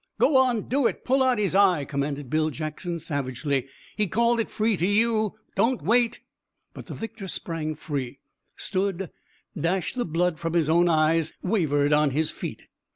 "Go on do it! Pull out his eye!" commanded Bill Jackson savagely. "He called it free to you! But don't wait!" But the victor sprang free, stood, dashed the blood from his own eyes, wavered on his feet.